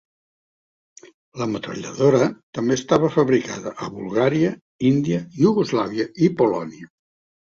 La metralladora també estava fabricada a Bulgària, India, Iugoslava i Polònia.